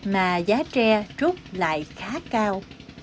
mà giá tre trút lại khá cao